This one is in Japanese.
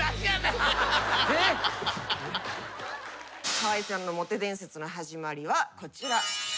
川合さんのモテ伝説の始まりはこちら。